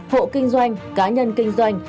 hộ kinh doanh cá nhân kinh doanh